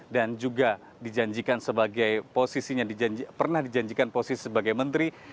dan juga pernah dijanjikan posisi sebagai menteri